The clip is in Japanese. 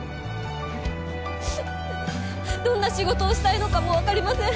ううっどんな仕事をしたいのかもわかりません。